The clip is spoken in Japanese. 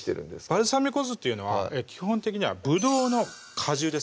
バルサミコ酢っていうのは基本的にはブドウの果汁ですね